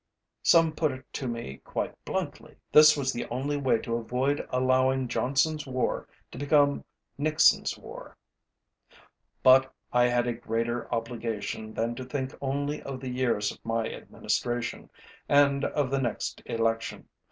Some put it to me quite bluntly: This was the only way to avoid allowing JohnsonÆs war to become NixonÆs war. But I had a greater obligation than to think only of the years of my Administration, and of the next election.